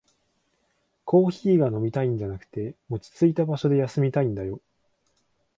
コーヒーが飲みたいんじゃなくて、落ちついた場所で休みたいんだよ